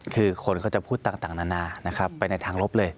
คือคนก็จะพูดต่างนานานะครับไปในทางลบเลย